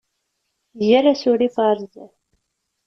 Ger asurif ɣer zzat.